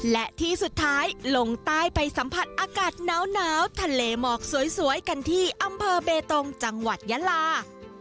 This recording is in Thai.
และที่สุดท้ายลงใต้ไปสัมผัสอากาศหนาวทะเลหมอกสวยกันที่อำเภอเบตงจังหวัดยาลา